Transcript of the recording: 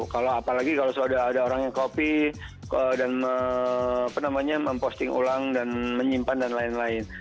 kalau apalagi kalau sudah ada orang yang copy dan memposting ulang dan menyimpan dan lain lain